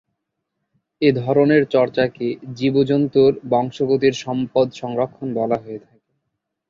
এধরনের চর্চাকে জীব-জন্তুর বংশগতির সম্পদ সংরক্ষণ বলা হয়ে থাকে।